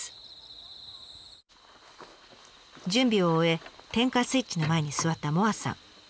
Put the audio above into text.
準備を終え点火スイッチの前に座った萌彩さん。